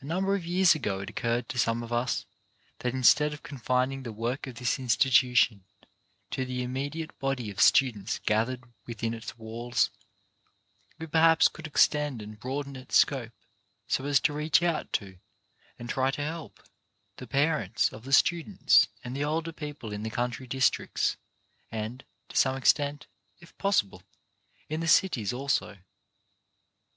A number of years ago it occurred to some of us that instead of confining the work of this institution to the immediate body of students gathered within its walls, we perhaps could extend and broaden its scope so as to reach out to, and try to help, the parents of the students and the older people in the country districts, and, to some extent, if possible, in the cities also.